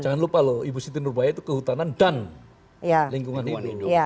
jangan lupa loh ibu siti nurbaya itu kehutanan dan lingkungan hidup